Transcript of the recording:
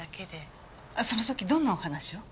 その時どんなお話を？